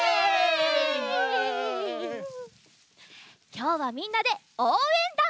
きょうはみんなでおうえんだん！